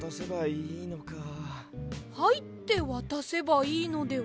「はい」ってわたせばいいのでは？